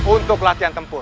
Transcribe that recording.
untuk latihan tempur